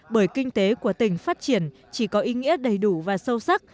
bởi kinh tế của tỉnh phát triển chỉ có ý nghĩa đầy đủ và sâu sắc